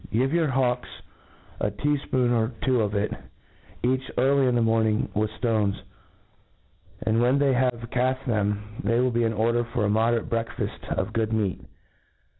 Give your hawks a tea fpoonful or two of it, each, early in the morning, with ftones j and when they have caft them, they wifl be in order for a moderate breakfaft of good moat.